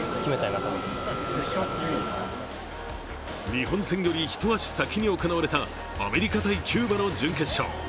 日本戦より一足先に行われたアメリカ×キューバの準決勝。